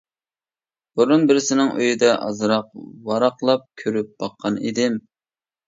بۇرۇن بىرسىنىڭ ئۆيىدە ئازراق ۋاراقلاپ كۆرۈپ باققان ئىدىم.